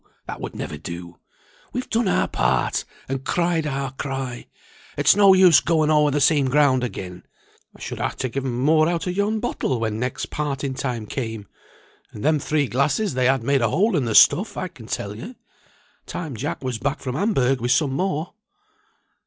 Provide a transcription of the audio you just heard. that would never do. We've done our part, and cried our cry; it's no use going o'er the same ground again. I should ha' to give 'em more out of yon bottle when next parting time came, and them three glasses they had made a hole in the stuff, I can tell you. Time Jack was back from Hamburg with some more."